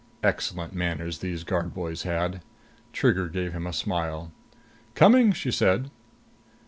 Excellent manners these guard boys had! Trigger gave him a smile. "Coming," she said.